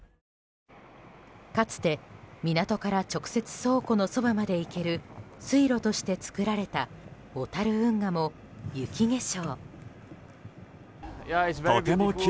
かつて港から直接倉庫のそばまで行ける水路として作られた小樽運河も、雪化粧。